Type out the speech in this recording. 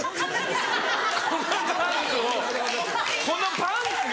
このパンツをこのパンツが。